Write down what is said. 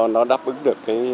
nó đáp ứng được